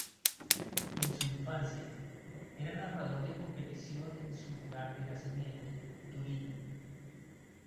En su infancia, era nadador de competición en su lugar de nacimiento, Turín.